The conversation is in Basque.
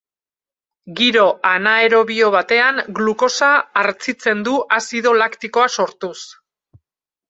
Giro anaerobio batean glukosa hartzitzen du azido laktikoa sortuz.